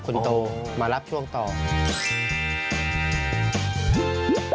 คุณโตมารับช่วงต่อครับโอ้โฮมารับช่วงต่อ